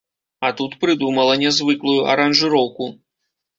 А тут прыдумала нязвыклую аранжыроўку.